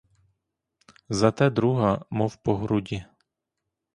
Зате друга, мов по груді.